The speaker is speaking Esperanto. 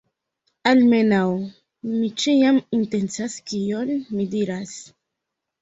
Almenaŭ,... mi ĉiam intencas kion mi diras.